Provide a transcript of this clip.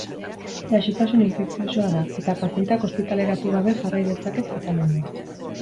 Gaixotasun infekziosoa da, eta pazienteak ospitaleratu gabe jarrai dezake tratamendua.